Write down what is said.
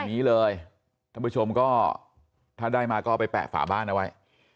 นี้เลยท่านผู้ชมก็ถ้าได้มาก็ไปแปะฝาบ้านเอาไว้